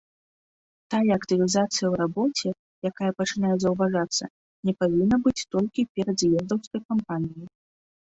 Тая актывізацыя ў рабоце, якая пачынае заўважацца, не павінна быць толькі перадз'ездаўскай кампаніяй.